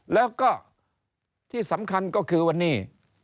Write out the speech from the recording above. แล้วก็ที่สำคัญก็คือวันนี้